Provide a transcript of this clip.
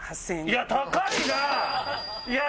いや高いよ！